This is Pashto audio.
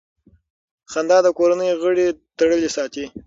خندا د کورنۍ غړي تړلي ساتي.